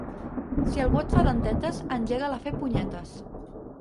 Si algú et fa dentetes, engega'l a fer punyetes.